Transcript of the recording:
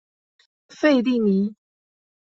费蒂尼。